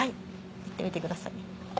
いってみてください。